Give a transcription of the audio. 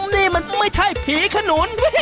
นี่มันไม่ใช่ผีขนุน